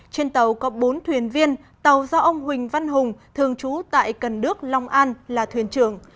trên tàu có bốn thuyền viên tàu do ông huỳnh văn hùng thường trú tại cần đức long an là thuyền trưởng